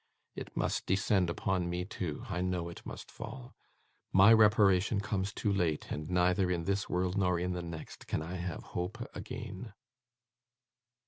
It must descend upon me too. I know it must fall. My reparation comes too late; and, neither in this world nor in the next, can I have hope again!